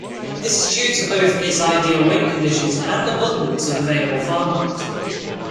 This is due to both its ideal wind conditions and abundance of available farmland.